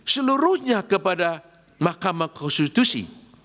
seluruhnya kepada mahkamah konstitusi